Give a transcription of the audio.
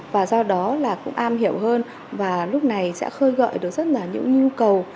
và do đó là cũng am hiểu hơn và lúc này sẽ khơi gợi được rất là những nhu cầu